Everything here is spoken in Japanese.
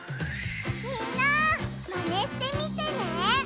みんなまねしてみてね！